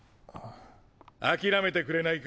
諦めてくれないか？